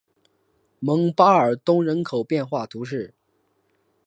蒙巴尔东人口变化图示